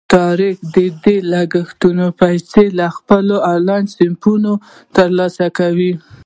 طارق د دې لګښتونو پیسې له خپلو آنلاین صنفونو ترلاسه کوي.